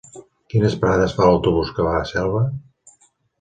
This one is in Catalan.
Quines parades fa l'autobús que va a Selva?